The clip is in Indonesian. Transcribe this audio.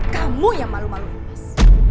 kamu yang malu maluin mas